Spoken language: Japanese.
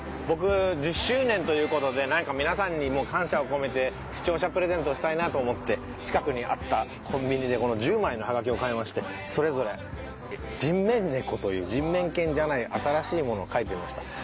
僕１０周年という事でなんか皆さんに感謝を込めて視聴者プレゼントをしたいなと思って近くにあったコンビニでこの１０枚のはがきを買いましてそれぞれ人面猫という人面犬じゃない新しいものを描いてみました。